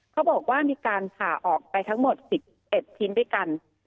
เขาบอกว่ามีการผ่าออกไปทั้งหมด๑๑ชิ้นด้วยกัน